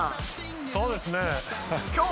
そうですね。